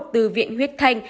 từ viện huyết thanh